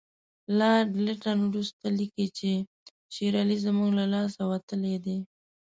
لارډ لیټن وروسته لیکي چې شېر علي زموږ له لاسه وتلی دی.